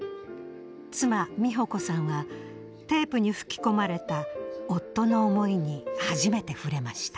妻美保子さんはテープに吹き込まれた夫の思いに初めて触れました。